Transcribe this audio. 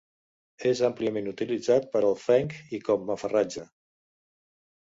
És àmpliament utilitzat per al fenc i com a farratge.